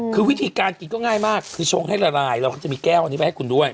คือวิธีการกินก็ง่ายมากคือชงให้ละลายเราก็จะมีแก้วอันนี้ไปให้คุณด้วย